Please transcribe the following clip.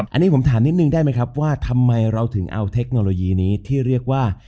อันนี้ผมถามนิดนึงได้ไหมครับว่าทำไมเราถึงเอาเทคโนโลยีนี้ที่เรียกว่า